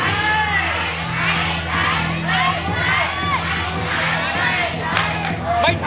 ไม่ใช้ไม่ใช้